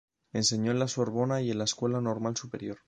Enseñó en la Sorbona y en la Escuela Normal Superior.